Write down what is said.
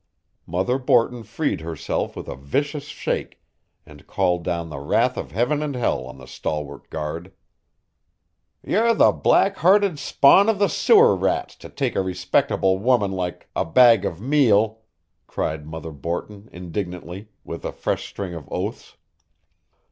Mother Borton freed herself with a vicious shake, and called down the wrath of Heaven and hell on the stalwart guard. "You're the black hearted spawn of the sewer rats, to take a respectable woman like a bag of meal," cried Mother Borton indignantly, with a fresh string of oaths.